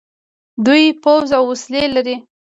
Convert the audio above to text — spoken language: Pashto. دوی پوځ او وسلې لري.